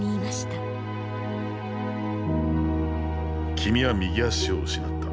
君は右足を失った。